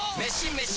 メシ！